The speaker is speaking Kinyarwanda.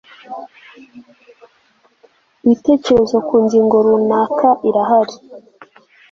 ibitekerezo ku ngingo runaka irahari